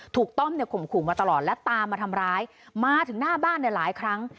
ต้อมเนี่ยข่มขู่มาตลอดและตามมาทำร้ายมาถึงหน้าบ้านเนี่ยหลายครั้ง